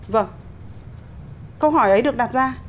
vâng câu hỏi ấy được đặt ra